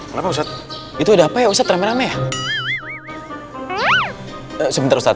sebentar ustadz biar saya cek dulu saya masih mau tes assalamualaikum waalaikumsalam